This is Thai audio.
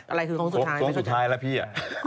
ไม่สุดท้ายโครงสุดท้ายแหละพี่